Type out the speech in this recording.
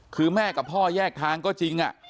คือแม่กับพ่อแยกทางก็จริง